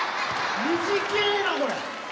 短えなこれ。